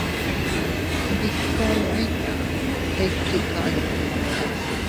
Ndiskuu inña iychikaya.